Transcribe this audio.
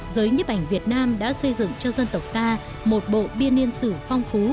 giới nhếp ảnh việt nam đã xây dựng cho dân tộc ta một bộ biên niên sử phong phú